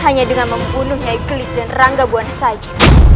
hanya dengan membunuhnya ikhlis dan rangga buwana saja